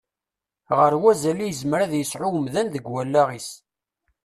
Ɣer wazal i yezmer ad yesɛu umdan deg wallaɣ-is.